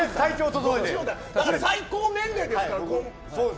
最高年齢ですから。